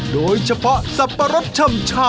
โดยเฉพาะสับปะรสช่ำ